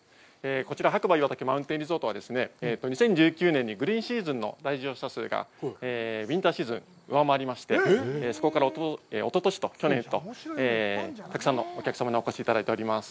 こちら白馬岩岳マウンテンリゾートはですね、２０１９年にグリーンシーズンの来場者数がウインターシーズンを上回りまして、そこからおととしと去年とたくさんのお客様にお越しいただいております。